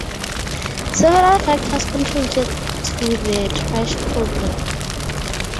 Several factors contributed to the trash problem.